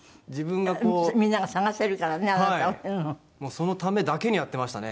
そのためだけにやってましたね。